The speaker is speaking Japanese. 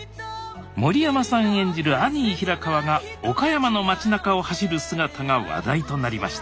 森山さん演じるアニー・ヒラカワが岡山の町なかを走る姿が話題となりました